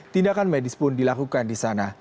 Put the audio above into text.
tindakan medis pun dilakukan di sana